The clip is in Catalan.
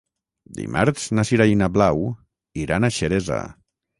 Dimarts na Sira i na Blau iran a Xeresa.